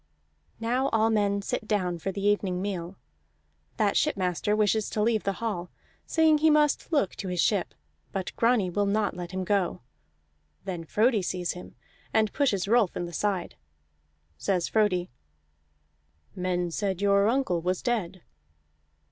Now all men sit down for the evening meal. That shipmaster wishes to leave the hall, saying he must look to his ship; but Grani will not let him go. Then Frodi sees him, and pushes Rolf in the side. Says Frodi: "Men said your uncle was dead."